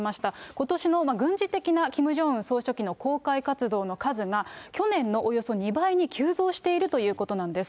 ことしの軍事的なキム・ジョンウン総書記の公開活動の数が去年のおよそ２倍に急増しているということなんです。